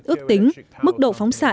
ước tính mức độ phóng xạ